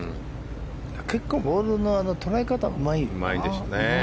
結構、ボールの捉え方がうまいよな。